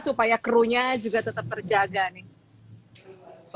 supaya krunya juga tetap terjaga nih